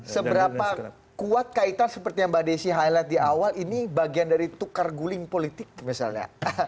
seberapa kuat kaitan seperti yang mbak desi highlight di awal ini bagian dari tukar guling politik misalnya